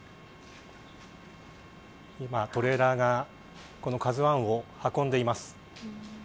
今、トレーラーがこのＫＡＺＵ１を運んでいます。